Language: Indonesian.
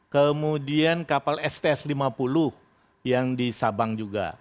kemudian kapal sts lima puluh yang di sabang juga